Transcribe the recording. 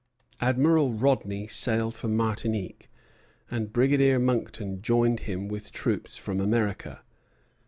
Admiral Rodney sailed for Martinique, and Brigadier Monckton joined him with troops from America.